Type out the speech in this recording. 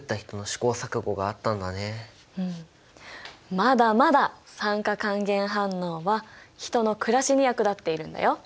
まだまだ酸化還元反応は人の暮らしに役立っているんだよ。